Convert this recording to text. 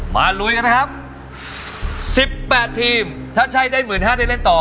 มาลุยกันนะครับสิบแปดทีมถ้าใช่ได้หมื่นห้าได้เล่นต่อ